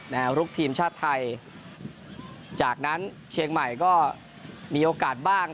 ลุกทีมชาติไทยจากนั้นเชียงใหม่ก็มีโอกาสบ้าง